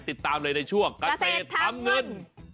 ติดตามเลยในช่วงเกษตรทำเงิน